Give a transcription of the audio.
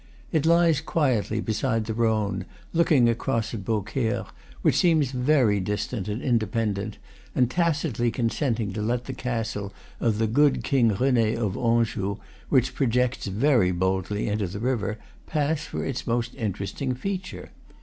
It lies quietly beside the Rhone, looking across at Beaucaire, which seems very distant and in dependent, and tacitly consenting to let the castle of the good King Rene of Anjou, which projects very boldly into the river, pass for its most interesting feature.